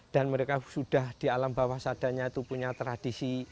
dan mereka sudah di alam bahwasadanya itu punya tradisi